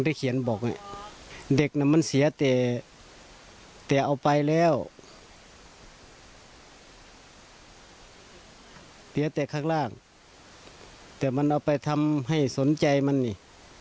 แต่มันเอาไปทำให้สนใจมันนี่